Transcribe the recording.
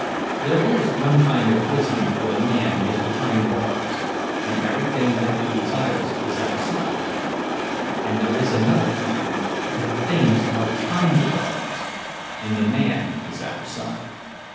There is one kind of prison where the man is behind bars, and everything that he desires is outside; and there is another kind where the things are behind the bars, and the man is outside.